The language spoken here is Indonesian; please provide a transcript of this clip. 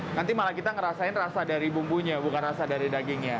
nanti malah kita ngerasain rasa dari bumbunya bukan rasa dari dagingnya